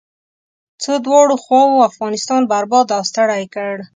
څو دواړو خواوو افغانستان برباد او ستړی کړ.